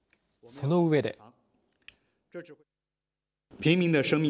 その上で。